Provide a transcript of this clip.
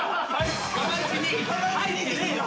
入ってねえよ。